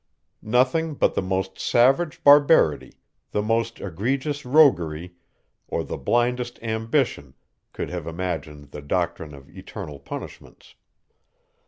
Nothing but the most savage barbarity, the most egregious roguery, or the blindest ambition could have imagined the doctrine of eternal punishments.